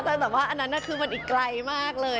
แต่แบบว่าอันนั้นคือมันอีกไกลมากเลย